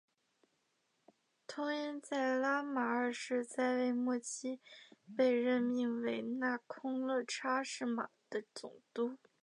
通因在拉玛二世在位末期被任命为那空叻差是玛的总督。